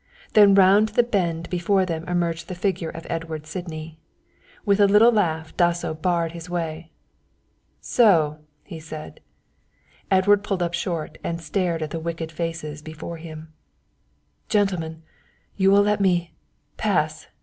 Then round the bend before them emerged the figure of Edward Sydney. With a little laugh Dasso barred his way. "So," he said. Edward pulled up short and stared at the wicked faces before him. "Gentlemen you will let me pass?"